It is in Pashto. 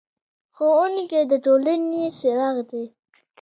ښوونکی د ټولنې څراغ دی.